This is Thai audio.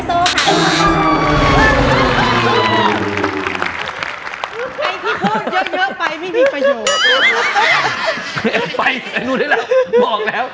เฉลยใครไปซูมไข่